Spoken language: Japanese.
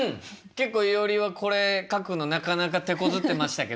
結構いおりはこれ書くのなかなかてこずってましたけど。